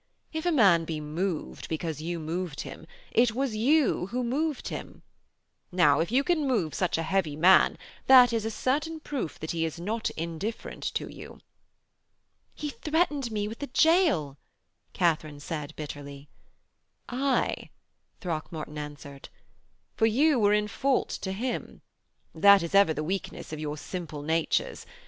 'If a man be moved because you moved him, it was you who moved him. Now, if you can move such a heavy man that is a certain proof that he is not indifferent to you.' 'He threatened me with a gaol,' Katharine said bitterly. 'Aye,' Throckmorton answered, 'for you were in fault to him. That is ever the weakness of your simple natures.